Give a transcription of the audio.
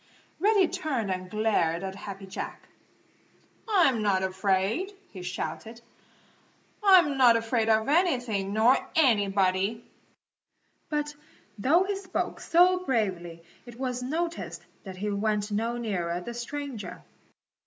Reddy turned and glared at Happy Jack. "I'm not afraid!" he shouted. "I'm not afraid of anything nor anybody!" But though he spoke so bravely it was noticed that he went no nearer the stranger.